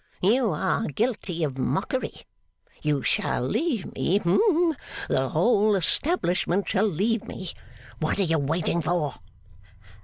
You are guilty of mockery. You shall leave me hum the whole establishment shall leave me. What are you waiting for?